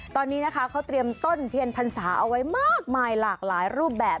ตอนนี้นะคะเขาเตรียมต้นเทียนพรรษาเอาไว้มากมายหลากหลายรูปแบบ